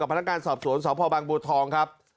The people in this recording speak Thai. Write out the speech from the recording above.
กับพนักการณ์สอบสวนสบบทครับ